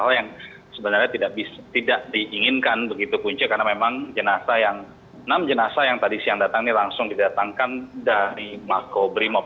hal yang sebenarnya tidak diinginkan begitu punca karena memang enam jenazah yang tadi siang datang ini langsung didatangkan dari makobrimob